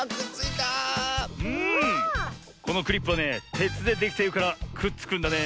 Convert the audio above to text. このクリップはねてつでできているからくっつくんだね。